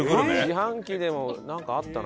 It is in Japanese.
自販機でもなんかあったな。